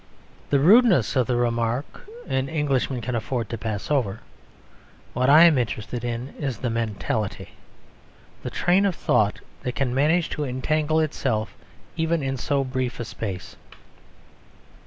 The rudeness of the remark an Englishman can afford to pass over; what I am interested in is the mentality; the train of thought that can manage to entangle itself even in so brief a space.